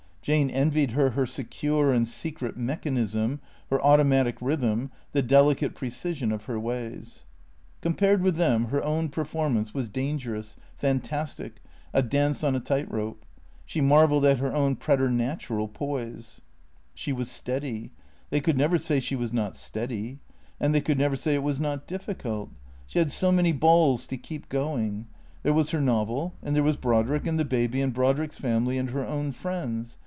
Jane envied her her secure and secret mechanism, her automatic rhythm, the delicate precision of her ways. Com pared with them her own performance was dangerous, fantastic, a dance on a tight rope. She marvelled at her own preternatural poise. She was steady; they could never say she was not steady. And they could never say it was not difficult. She had so many balls to keep going. There was her novel ; and there was Brod rick, and the baby, and Brodrick's family, and her own friends.